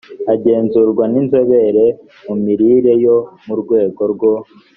agenzurwa n inzobere mu mirire yo mu rwego rwo